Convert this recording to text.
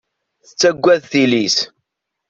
Tettaggad tili-s.